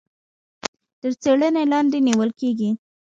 تر څيړنې لاندي نيول کېږي.